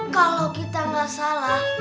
kalau kita gak salah